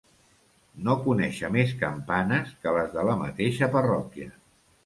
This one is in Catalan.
No conèixer més campanes que les de la mateixa parròquia.